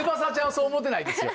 そう思ってないですよ